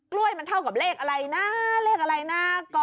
ล้วยมันเท่ากับเลขอะไรนะเลขอะไรนะ